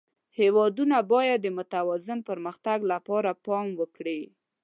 هېوادونه باید د متوازن پرمختګ لپاره پام وکړي.